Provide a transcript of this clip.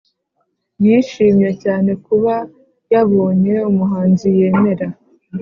yishimye cyane kuba yabonye umuhanzi yemera